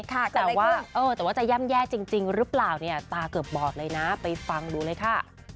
แต่ว่าแต่ว่าจะย่ำแย่จริงหรือเปล่าเนี่ยตาเกือบบอดเลยนะไปฟังดูเลยค่ะ